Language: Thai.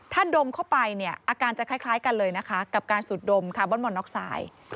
ถ้าดมเข้าไปเนี่ยอาการจะคล้ายกันเลยนะคะกับการสูดดมคาร์บอนมอนน็อกไซด์